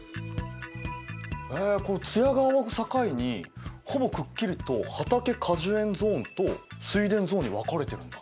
津屋川を境にほぼくっきりと畑果樹園ゾーンと水田ゾーンに分かれてるんだ。